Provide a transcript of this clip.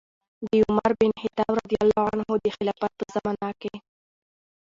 د عمر بن الخطاب رضي الله عنه د خلافت په زمانه کې